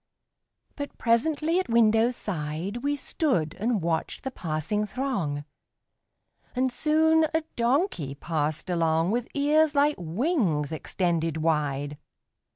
But presently at window side We stood and watched the passing throng, And soon a donkey passed along With ears like wings extended wide.